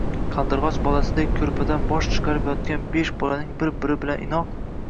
qaldirg'och bolasidek ko"rpadan bosh chiqarib yotgan besh bolang bir-biri bilan inoq